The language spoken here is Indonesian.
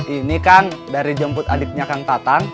ini kan dari jemput adiknya kang tatan